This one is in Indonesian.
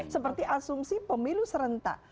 seperti asumsi pemilu serentak